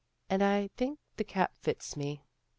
" And I think the cap fits me."